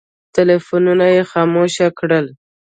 ټلفونونه یې خاموش کړل.